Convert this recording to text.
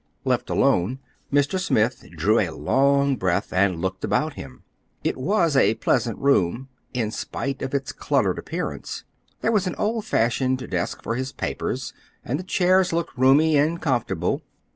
Left alone, Mr. Smith drew a long breath and looked about him. It was a pleasant room, in spite of its cluttered appearance. There was an old fashioned desk for his papers, and the chairs looked roomy and comfortable.